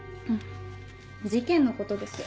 事件のことです。